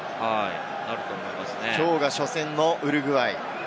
きょうが初戦のウルグアイ。